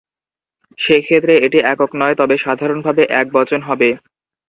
সে ক্ষেত্রে এটি একক নয়, তবে সাধারণভাবে একবচন হবে।